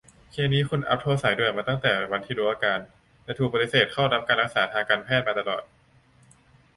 เคสนี้คุณอัพโทรสายด่วนมาตั้งแต่วันที่รู้อาการ แต่ถูกปฎิเสธเข้ารับการรักษาทางการแพทย์มาตลอด